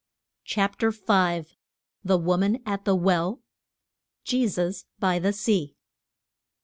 CHAPTER V. THE WOMAN AT THE WELL JESUS BY THE SEA.